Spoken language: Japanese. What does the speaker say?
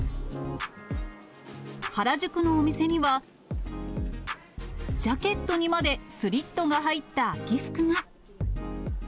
原宿のお店には、ジャケットにまでスリットが入った秋服が。